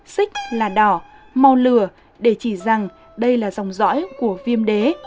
xích là đỏ màu lửa để chỉ rằng đây là dòng lõi của viêm đế